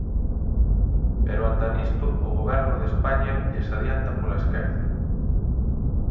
Pero ata nisto o Goberno de España lles adianta pola esquerda.